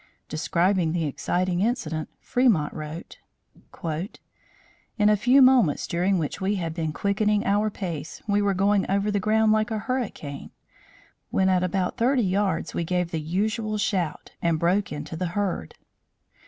Describing the exciting incident, Fremont wrote; "In a few moments, during which we had been quickening our pace, we were going over the ground like a hurricane. When at about thirty yards we gave the usual shout and broke into the herd.